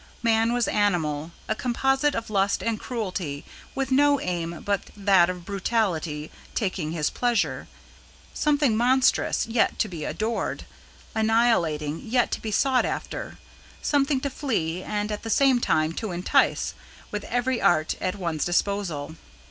Man was animal, a composite of lust and cruelty, with no aim but that of brutally taking his pleasure: something monstrous, yet to be adored; annihilating, yet to be sought after; something to flee and, at the same time, to entice, with every art at one's disposal.